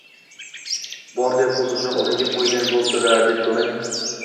Bordi-yu qo‘zichoq uni yeb qo‘ygan bo‘lsa-ya?» deb so‘rang.